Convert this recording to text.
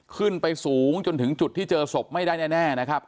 ขึ้นไปสูงจนถึงจุดที่เจอศพไม่ได้แน่นะครับ